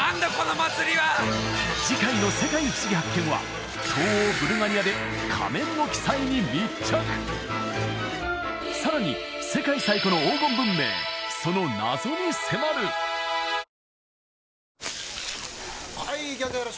次回の「世界ふしぎ発見！」は東欧ブルガリアで仮面の奇祭に密着さらに世界最古の黄金文明その謎に迫るジュー・はい餃子